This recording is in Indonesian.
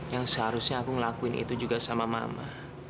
yang seharusnya aku ngelakuin itu juga sama mama